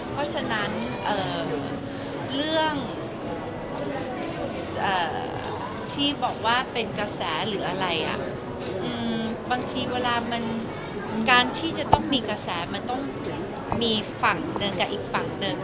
เพราะฉะนั้นเอ่อเรื่องเอ่อที่บอกว่าเป็นกระแสหรืออะไรอ่ะอืมบางทีเวลามันการที่จะต้องมีกระแสมันต้องมีฝั่งเดินกับอีกฝั่งเดิน